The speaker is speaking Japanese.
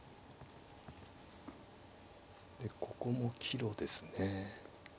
でここも岐路ですね。